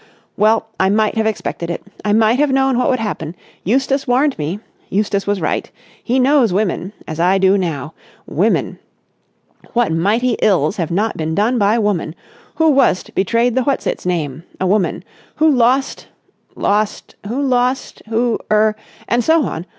"Well, I might have expected it. I might have known what would happen! Eustace warned me. Eustace was right. He knows women—as I do now. Women! What mighty ills have not been done by woman? Who was't betrayed the what's its name? A woman! Who lost ... lost ... who lost ... who—er—and so on?